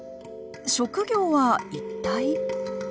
職業は一体？